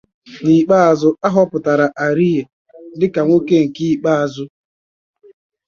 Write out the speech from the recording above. Afriyie was ultimately adjudged the man of the match of the final.